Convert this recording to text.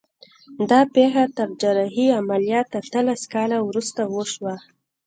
دا پېښه تر جراحي عملیات اتلس کاله وروسته وشوه